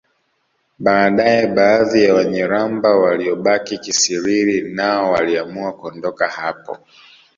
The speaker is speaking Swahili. Baadaye baadhi ya Wanyiramba waliobaki Kisiriri nao waliamua kuondoka hapo